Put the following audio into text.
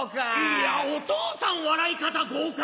いや「お父さん笑い方豪快」！